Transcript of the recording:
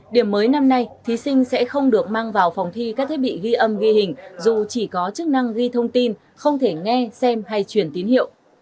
điểm mới năm nay thí sinh sẽ không được mang vào phòng thi các thiết bị ghi âm ghi hình dù chỉ có chức năng ghi thông tin không thể nghe xem hay truyền tín hiệu